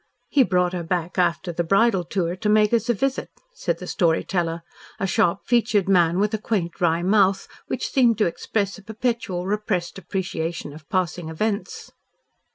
"He brought her back after the bridal tour to make us a visit," said the storyteller, a sharp featured man with a quaint wry mouth, which seemed to express a perpetual, repressed appreciation of passing events.